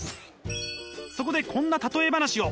そこでこんな例え話を。